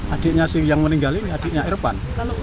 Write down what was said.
adiknya si yang meninggal ini adiknya irfan